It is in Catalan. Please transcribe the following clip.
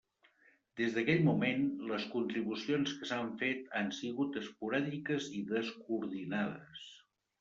Des d'aquell moment, les contribucions que s'han fet han sigut esporàdiques i descoordinades.